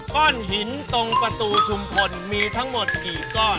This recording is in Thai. ก้อนหินตรงประตูชุมพลมีทั้งหมดกี่ก้อน